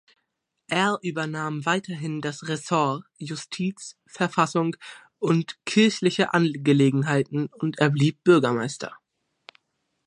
Er übernahm weiterhin das Ressort Justiz, Verfassung und kirchliche Angelegenheiten und er blieb Bürgermeister.